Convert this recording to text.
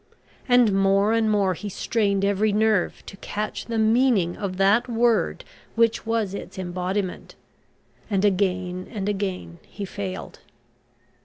And more and more he strained every nerve to catch the meaning of that word which was its embodiment, and again and again he failed.